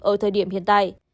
ở thời điểm hiện tại